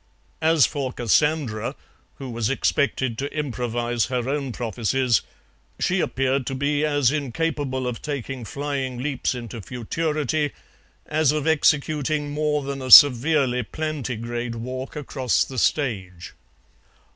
As for Cassandra, who was expected to improvise her own prophecies, she appeared to be as incapable of taking flying leaps into futurity as of executing more than a severely plantigrade walk across the stage.